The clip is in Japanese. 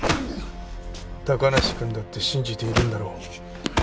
高梨くんだって信じているんだろう？